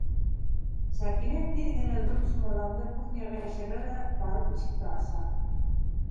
Сәкинә тиҙ генә ҙур сумаҙанды кухняға йәшерә лә барып ишекте аса.